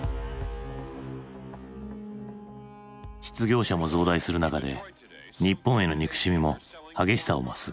失業者も増大する中で日本への憎しみも激しさを増す。